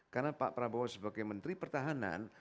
karena pak prabowo sebagai menteri pertahanan